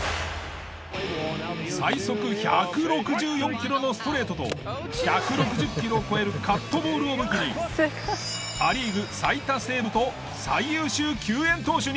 最速１６４キロのストレートと１６０キロを超えるカットボールを武器にパ・リーグ最多セーブと最優秀救援投手に。